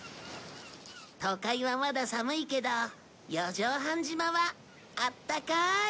都会はまだ寒いけど四丈半島はあったかーい